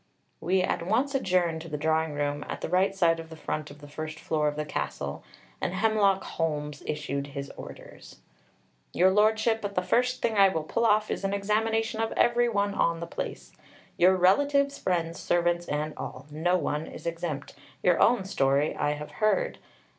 We at once adjourned to the drawing room, at the right side of the front of the first floor of the castle, and Hemlock Holmes issued his orders. "Your Lordship, the first thing I will pull off is an examination of every one on the place, your relatives, friends, servants and all, no one is exempt. Your own story I have heard.